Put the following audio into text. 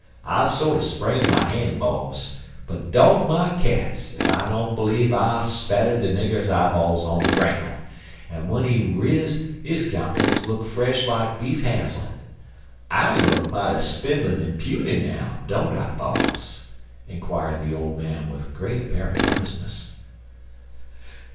"I sorter sprained my han', boss, but dog my cats if I don't bleeve I spattered de nigger's eyeballs on de groun', and w'en he riz his count'nence look fresh like beef haslett. I look mighty spindlin' an' puny now, don't I, boss?" inquired the old man, with great apparent earnestness.